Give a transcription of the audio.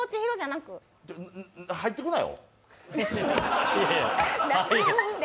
あの入ってくなよ。